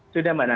sudah mbak nana